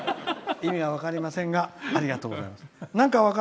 意味は分かりませんがありがとうございます。